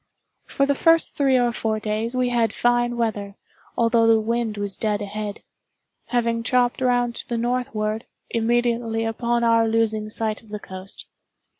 For the first three or four days we had fine weather, although the wind was dead ahead; having chopped round to the northward, immediately upon our losing sight of the coast.